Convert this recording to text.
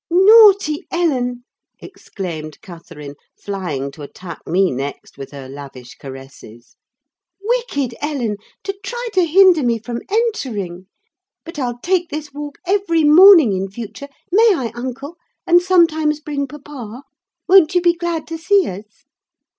"Naughty Ellen!" exclaimed Catherine, flying to attack me next with her lavish caresses. "Wicked Ellen! to try to hinder me from entering. But I'll take this walk every morning in future: may I, uncle? and sometimes bring papa. Won't you be glad to see us?"